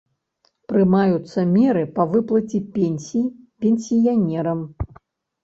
Прымаюцца меры па выплаце пенсій пенсіянерам.